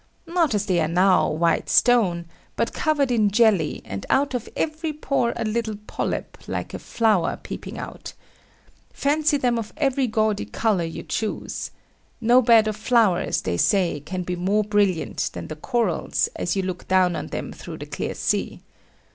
Not as they are now, white stone: but covered in jelly; and out of every pore a little polype, like a flower, peeping out. Fancy them of every gaudy colour you choose. No bed of flowers, they say, can be more brilliant than the corals, as you look down on them through the clear sea.